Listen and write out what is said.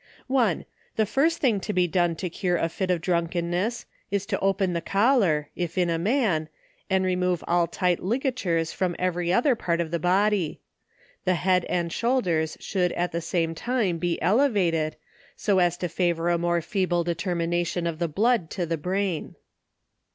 1. The fust thing to be done to cure a fit of drunken ness, is to open the collar, if in a man, and remove all light ligatures from every other part of the body. The head and shoulders should at the same time be elevated, so as to favour a more feeble determination of the blood to the brain.